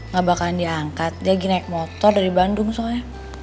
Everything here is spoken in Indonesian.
gak bakal diangkat dia lagi naik motor dari bandung soalnya